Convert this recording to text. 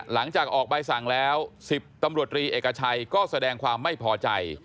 หลังจากออกใบสั่งแล้ว๑๐ตำรวจรีเอกชัยก็แสดงความไม่พอใจ